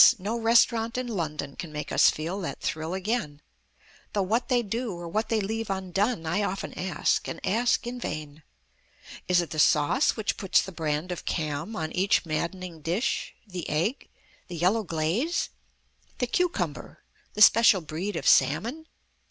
no restaurant in London Can make us feel that thrill again; Though what they do or what leave undone I often ask, and ask in vain. Is it the sauce which puts the brand of Cam on Each maddening dish? The egg? The yellow glaze? The cucumber? The special breed of salmon?